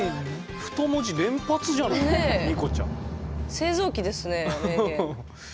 製造器ですね名言。